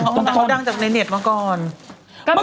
เขาดังจากในเน็ตเมื่อก่อน